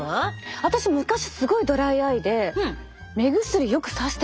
私昔すごいドライアイで目薬よくさしてた。